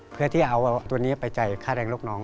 เพื่อที่เอาตัวนี้ไปจ่ายค่าแรงลูกน้อง